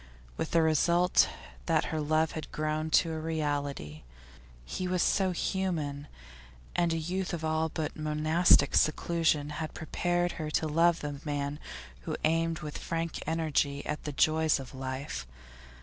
With the result that her love had grown to a reality. He was so human, and a youth of all but monastic seclusion had prepared her to love the man who aimed with frank energy at the joys of life.